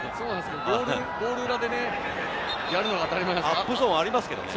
ゴール裏でやるのが当たり前なんですけれどもね。